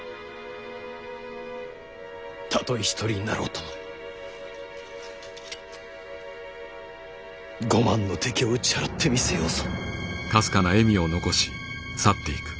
たとえ一人になろうとも５万の敵を打ち払ってみせようぞ。